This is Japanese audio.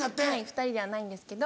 ２人ではないんですけど。